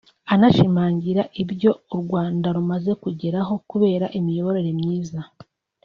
anashimangira ibyo u Rwanda rumaze kugeraho kubera imiyoborere myiza